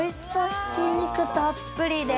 ひき肉たっぷりで。